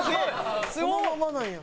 そのままなんや。